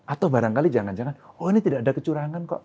atau barangkali jangan jangan oh ini tidak ada kecurangan kok